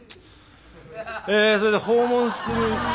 ええそれでは訪問する。